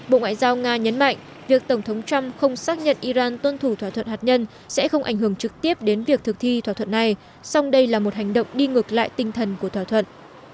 bộ ngoại giao nga nhấn mạnh việc tổng thống trump không xác nhận iran tuân thủ thỏa thuận hạt nhân sẽ không ảnh hưởng trực tiếp đến việc thực thi thỏa thuận này song đây là một hành động đi ngược lại tinh thần của thỏa thuận